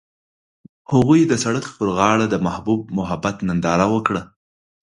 هغوی د سړک پر غاړه د محبوب محبت ننداره وکړه.